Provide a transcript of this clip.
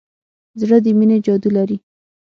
زړه د مینې جادو لري.